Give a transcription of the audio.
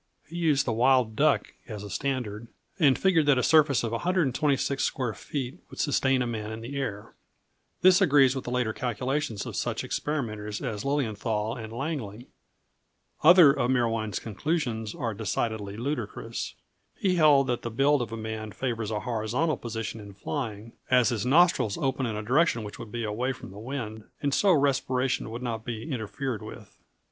He used the wild duck as a standard, and figured that a surface of 126 square feet would sustain a man in the air. This agrees with the later calculations of such experimenters as Lilienthal and Langley. Other of Meerwein's conclusions are decidedly ludicrous. He held that the build of a man favors a horizontal position in flying, as his nostrils open in a direction which would be away from the wind, and so respiration would not be interfered with!